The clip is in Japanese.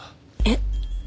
えっ。